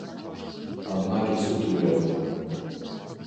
Аднак і суд ёй адмовіў.